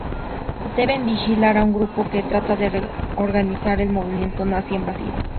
Deben vigilar a un grupo que trata de reorganizar el movimiento nazi en Brasil.